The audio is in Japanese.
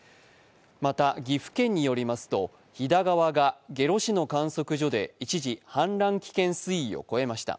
また、岐阜県によりますと、飛騨川が下呂市の観測所で一時氾濫危険水位を越えました。